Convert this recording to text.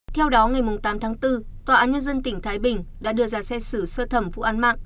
theo đó ngày tám tháng bốn tòa án nhân dân tỉnh thái bình đã đưa ra xét xử sơ thẩm vụ án mạng